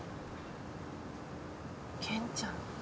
健ちゃん。